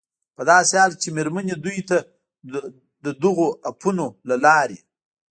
په داسې حال کې چې مېرمنې دوی ته د دغو اپونو له لارې